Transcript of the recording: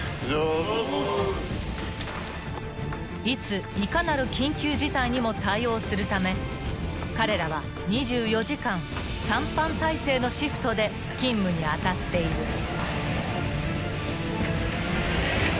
［いついかなる緊急事態にも対応するため彼らは２４時間３班体制のシフトで勤務に当たっている］